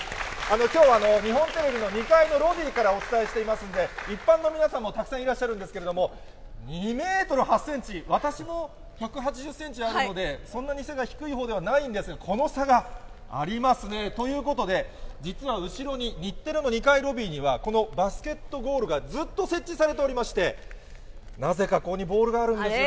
きょうは日本テレビの２階のロビーからお伝えしていますんで、一般の皆さんもたくさんいらっしゃるんですけれども、２メートル８センチ、私も１８０センチあるので、そんなに背が低いほうではないんですが、この差がありますね。ということで、実は後ろに、日テレの２階ロビーには、このバスケットゴールがずっと設置されておりまして、なぜかここあれ？